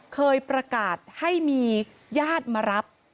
เคยประกาศให้มีญาติมารับ